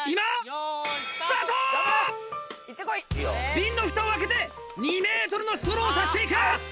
ビンのふたを開けて２ｍのストローをさして行く！